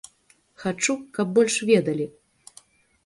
Хачу, каб больш ведалі.